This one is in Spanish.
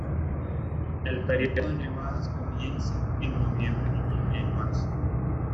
El período de nevadas comienza en noviembre y culmina en marzo.